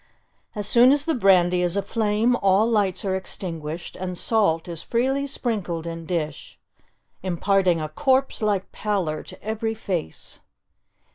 As soon as brandy is aflame, all lights are extinguished, and salt is freely sprinkled in dish, imparting a corpse like pallor to every face.